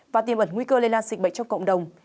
và tiềm ẩn nguy cơ lây lan dịch bệnh trong cộng đồng